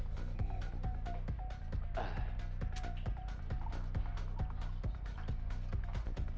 biar pikirannya nggak pusing lagi